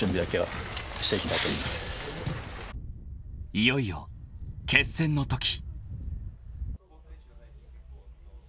［いよいよ決戦のとき］